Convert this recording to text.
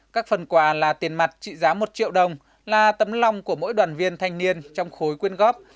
các phần quà là tiền mặt trị giá một triệu đồng là tấm lòng của mỗi đoàn viên thanh niên trong khối quyên góp